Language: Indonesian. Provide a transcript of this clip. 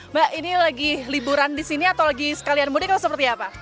mbak ini lagi liburan di sini atau lagi sekalian mudik atau seperti apa